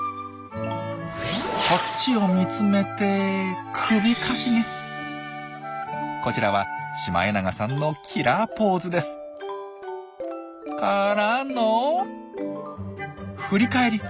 こっちを見つめてこちらはシマエナガさんのキラーポーズです。からの振り返り！